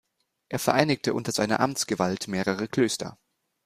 Er vereinigte unter seiner Amtsgewalt mehrere Klöster.